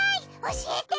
教えて！